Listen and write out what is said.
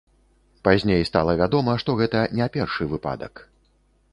Пазней стала вядома, што гэта не першы выпадак.